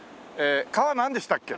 川なんでしたっけ？